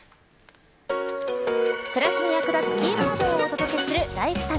暮らしに役立つキーワードをお届けするＬｉｆｅＴａｇ。